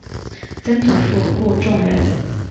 曾祖父顾仲仁。